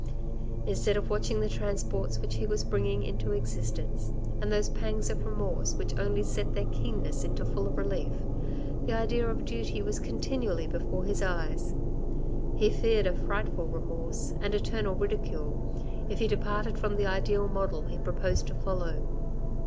Instead of watching the transports which he was bringing into existence, and those pangs of remorse which only set their keenness into fuller relief, the idea of duty was continually before his eyes. He feared a frightful remorse, and eternal ridicule, if he de parted from the ideal model he proposed to follow.